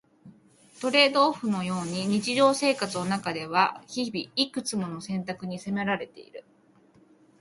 トレードオフのように日常生活の中では日々、いくつもの選択に迫られている。